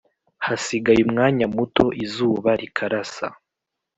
Hasigay' umwanya muto, izuba rikarasa.